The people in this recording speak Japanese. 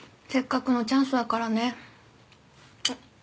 せっかくのチャンスだからね。